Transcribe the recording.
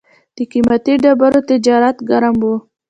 د قیمتي ډبرو تجارت ګرم و